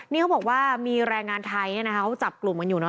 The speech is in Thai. นี่เขาบอกว่ามีแรงงานทายเนี่ยนะคะเขาจับกลุ่มมันอยู่น่ะ